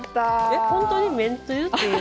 えっ本当にめんつゆ？っていう。